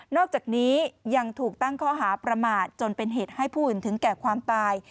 อกจากนี้ยังถูกตั้งข้อหาประมาทจนเป็นเหตุให้ผู้อื่นถึงแก่ความตาย